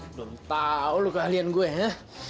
belum tahu lu keahlian gue ya